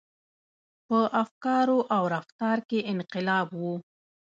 • په افکارو او رفتار کې انقلاب و.